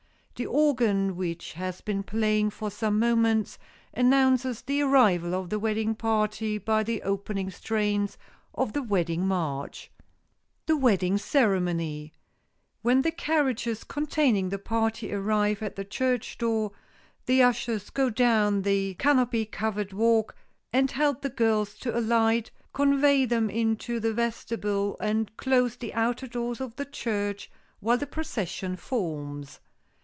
The organ, which has been playing for some moments, announces the arrival of the wedding party by the opening strains of the wedding march. [Sidenote: THE WEDDING CEREMONY] When the carriages containing the party arrive at the church door the ushers go down the canopy covered walk and help the girls to alight, convey them into the vestibule and close the outer doors of the church while the procession forms.